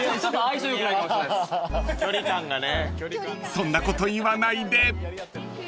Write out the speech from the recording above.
［そんなこと言わないで］